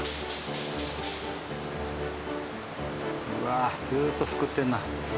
うわあずっとすくってるな。